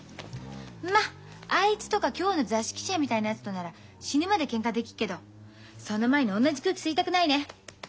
まあいつとか今日の雑誌記者みたいなやつとなら死ぬまでけんかできっけどその前に同じ空気吸いたくないね。